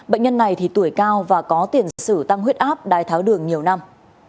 bệnh nhân này thì tuổi cao và có tiền xử tăng huyết áp đài tháo đường nhiều năm